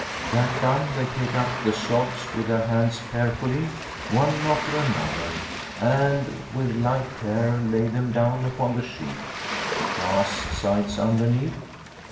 That done, they take up the sods with their hands, carefully, one after another; and, with like care, lay them down upon the sheet, the grass sides underneath.